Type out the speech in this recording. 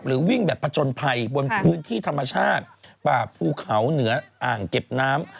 วิ่งแบบผจญภัยบนพื้นที่ธรรมชาติป่าภูเขาเหนืออ่างเก็บน้ำ